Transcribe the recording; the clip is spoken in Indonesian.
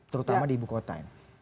terutama di ibu kota